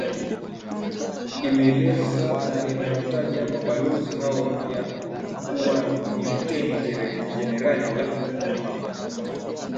Imeeleza na imewataja mabalozi hao wapya kuwa ni Luteni Jenerali Yakub Mohamed